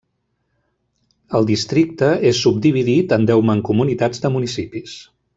El districte és subdividit en deu mancomunitats de municipis.